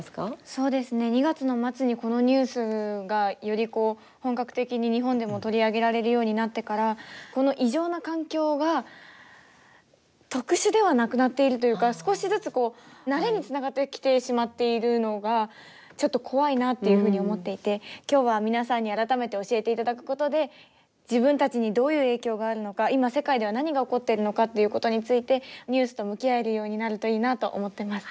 そうですね。２月の末にこのニュースがより本格的に日本でも取り上げられるようになってからこの異常な環境が特殊ではなくなっているというか少しずつこう慣れにつながってきてしまっているのがちょっと怖いなっていうふうに思っていて今日は皆さんに改めて教えていただくことで自分たちにどういう影響があるのか今世界では何が起こっているのかっていうことについてニュースと向き合えるようになるといいなと思ってます。